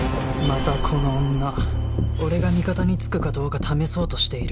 またこの女俺が味方につくかどうか試そうとしている